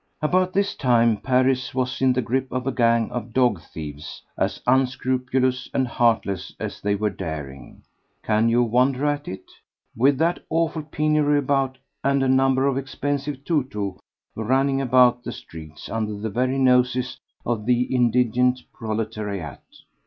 About this time Paris was in the grip of a gang of dog thieves as unscrupulous and heartless as they were daring. Can you wonder at it? with that awful penury about and a number of expensive "tou tous" running about the streets under the very noses of the indigent proletariat?